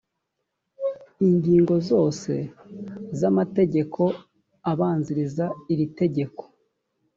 ingingo zose z amategeko abanziriza iri tegeko